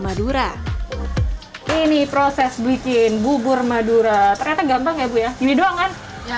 madura ini proses bikin bubur madura ternyata gampang ya bu ya ini doang kan yang